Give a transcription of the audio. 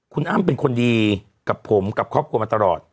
คุณอ้ำเป็นคนดีกับผมกับครอบครัวมาตลอด